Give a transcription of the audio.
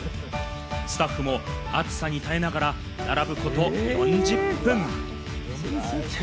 スタッフも暑さに耐えながら並ぶこと４０分。